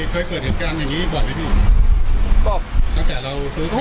เคยเกิดเหตุการณ์อย่างนี้บ่อยไหมพี่